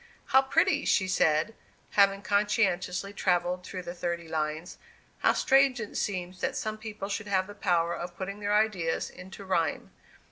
"How pretty!" she said, having conscientiously travelled through the thirty lines. "How strange it seems that some people should have the power of putting their ideas into rhyme!